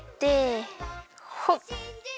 ほっ！